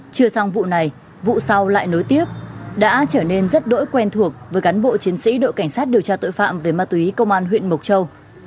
chưa sang vụ này vụ sau lại nối tiếp đã trở nên rất đỗi quen thuộc với cán bộ chiến sĩ đội cảnh sát điều tra tội phạm về ma túy công an huyện mộc châu